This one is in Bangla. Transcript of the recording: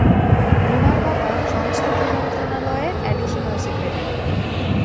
রুমার বাবা সংস্কৃতি মন্ত্রণালয়ের এডিশনাল সেক্রেটারি।